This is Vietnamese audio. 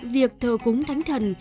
việc thờ cúng thánh thần